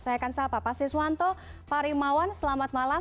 saya akan sahabat pak siswanto pak rimawan selamat malam